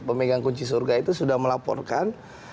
pemegang kunci surga itu sudah melaporkan